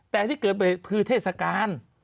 แต่ที่เกิดเบ้ยพืชเทศกาล